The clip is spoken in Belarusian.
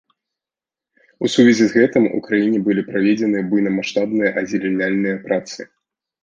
У сувязі з гэтым, у краіне былі праведзены буйнамаштабныя азеляняльныя працы.